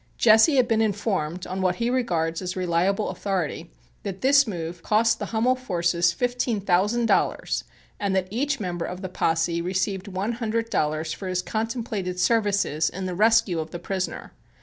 Jesse has been informed, on what he regards as reliable authority, that this move cost the Hummel forces fifteen thousand dollars and that each member of the posse received one hundred dollars for his contemplated services in the "rescue" of the prisoner.